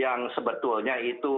yang sebetulnya itu tidak